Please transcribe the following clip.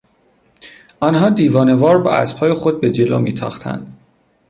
آنها دیوانهوار با اسبهای خود به جلو میتاختند.